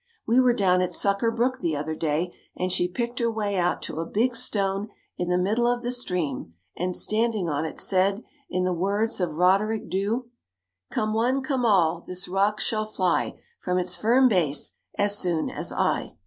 We were down at Sucker Brook the other day and she picked her way out to a big stone in the middle of the stream and, standing on it, said, in the words of Rhoderick Dhu, "Come one, come all, this rock shall fly From its firm base, as soon as I."